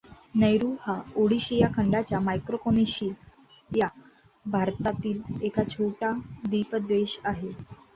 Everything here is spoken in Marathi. नौरू हा ओशनिया खंडाच्या मायक्रोनेशिया भागातील एक छोटा द्वीप देश आहे.